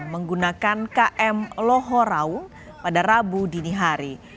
menggunakan km lohorau pada rabu dini hari